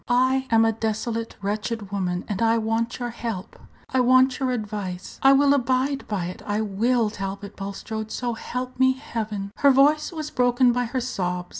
I am a desolate, wretched woman, and I want your help I want your advice. I will abide by it; I will, Talbot Bulstrode, so help me Heaven!" Her voice was broken by her sobs.